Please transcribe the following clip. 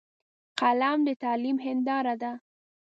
قلم د تعلیم هنداره ده